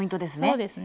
そうですね。